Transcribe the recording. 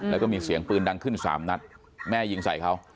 แล้วก็มีเสียงปืนดังขึ้น๓นัดแม่ยิงใส่เขา